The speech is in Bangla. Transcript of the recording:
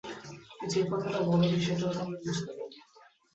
কিন্তু যে কথাটা বল নি সেটাও তো আমরা বুঝতে পারি।